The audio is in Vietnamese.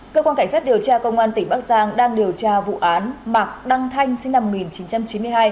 cơ quan cảnh sát điều tra công an tỉnh bắc giang đang điều tra vụ án mạc đăng thanh sinh năm một nghìn chín trăm chín mươi hai